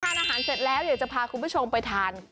ทานอาหารเสร็จแล้วอยากจะพาคุณผู้ชมไปทาน